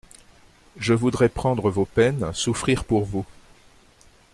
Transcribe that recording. Je voudrais prendre vos peines, souffrir pour vous.